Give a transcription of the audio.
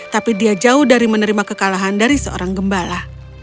tapi dia jauh dari menerima kekalahan dari seorang gembala